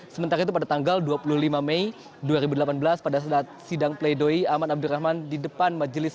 sementara itu pada tanggal dua puluh lima mei dua ribu delapan belas pada saat sidang pleidoy aman abdurrahman di depan majelis